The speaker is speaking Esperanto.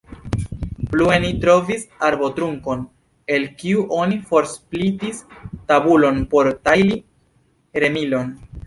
Plue ni trovis arbotrunkon, el kiu oni forsplitis tabulon por tajli remilon.